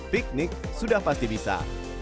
piknik sudah pasti bisa